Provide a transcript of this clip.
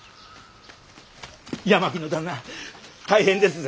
・八巻の旦那大変ですぜ！